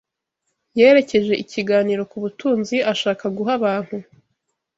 Yerekeje ikiganiro ku butunzi ashaka guha abantu